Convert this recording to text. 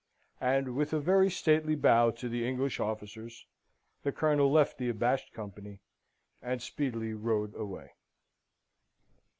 And with a very stately bow to the English officers, the Colonel left the abashed company, and speedily rode away.